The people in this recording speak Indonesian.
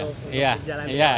untuk jalan rio aja